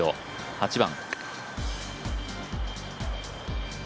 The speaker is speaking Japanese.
８番。